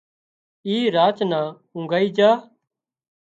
اي راچ نان اونگھائي جھا